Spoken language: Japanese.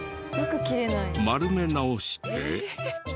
丸め直して。